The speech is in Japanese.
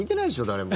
誰も。